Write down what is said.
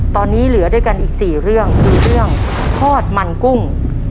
ตอนนี้เหลือด้วยกันอีก๔เรื่องคือเรื่องทอดมันกุ้ง